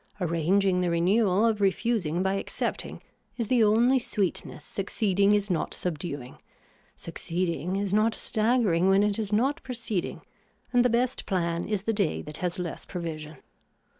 Arranging the renewal of refusing by accepting is the only sweetness succeeding is not subduing. Succeeding is not staggering when it is not proceeding and the best plan is the day that has less provision.